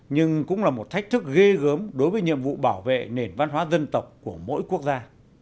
nhưng cũng là một thách thức ghê gớm đối với nhiệm vụ bảo vệ nền văn hóa dân tộc của mỗi quốc gia